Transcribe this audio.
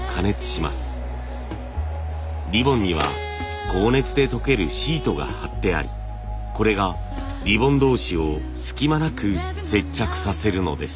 リボンには高熱で溶けるシートが貼ってありこれがリボン同士を隙間なく接着させるのです。